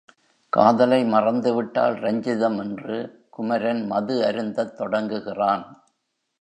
காதலை மறந்துவிட்டாள் ரஞ்சிதம் என்று குமரன் மது அருந்தத் தொடங்குகிறான்.